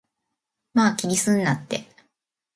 まぁ、気にすんなって